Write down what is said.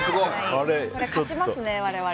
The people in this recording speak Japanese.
勝ちますね、我々。